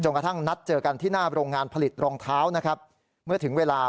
กระทั่งนัดเจอกันที่หน้าโรงงานผลิตรองเท้านะครับเมื่อถึงเวลา